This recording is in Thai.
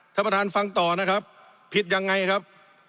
ท่านประธานฟังต่อนะครับผิดยังไงครับ